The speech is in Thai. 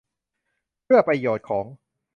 เพื่อประโยชน์ของ